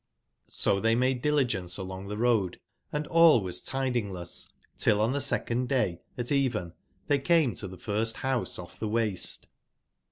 '' Kj^^^lO they made diligence along the road, and all ^^^ was tidingless till on the second day at even ^^^ they came to the first house off the waste.